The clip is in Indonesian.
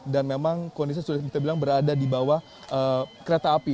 dan memang kondisi sudah kita bilang berada di bawah kereta api